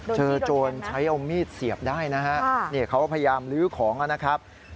โจรใช้เอามีดเสียบได้นะฮะเขาพยายามลื้อของนะครับ